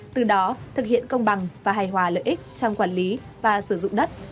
từ đó thực hiện công bằng và hài hòa lợi ích trong quản lý và sử dụng đất